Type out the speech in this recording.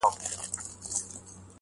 دا خو ورور مي دی بې حده حرامخوره,